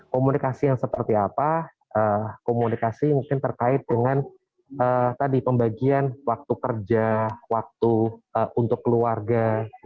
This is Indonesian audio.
komunikasi yang seperti apa komunikasi mungkin terkait dengan tadi pembagian waktu kerja waktu untuk keluarga